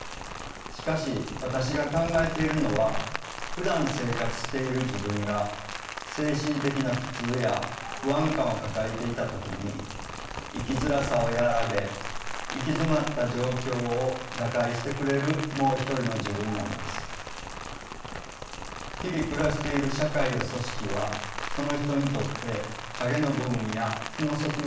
しかし私が考えているのはふだん生活している「自分」が精神的な苦痛や不安感を抱えていた時に生きづらさを和らげ行き詰まった状況を打開してくれる「もう一人の自分」なのです。日々暮らしている社会や組織はその人にとって影の部分や負の側面を持っています。